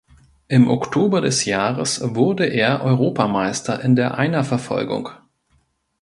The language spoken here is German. Im Oktober des Jahres wurde er Europameister in der Einerverfolgung.